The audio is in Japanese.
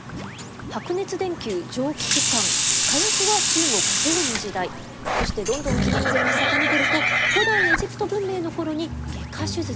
白熱電球蒸気機関火薬は中国唐の時代そしてどんどん紀元前に遡ると古代エジプト文明の頃に外科手術。